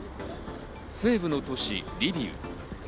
西部の都市リビウ。